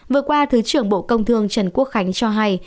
vừa qua thứ trưởng bộ công thương trần quốc khánh cho hay